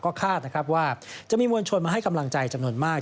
ก็คาดนะครับว่าจะมีมวลชนมาให้กำลังใจจำนวนมาก